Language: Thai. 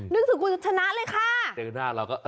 นึกถึงคุณชนะเลยค่ะ